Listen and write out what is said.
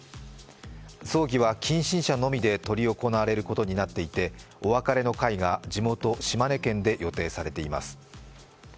葬儀は近親者のみで執り行われることになっていて、お別れの会が地元・島根県で予定されています。